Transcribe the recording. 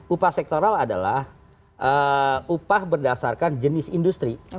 upah sektoral adalah upah berdasarkan jenis industri